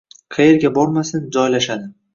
Qaerga bormasin, joylashadi